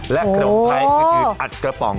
และขนมไพรคืออัดกระป๋อง